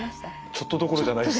ちょっとどころじゃないです。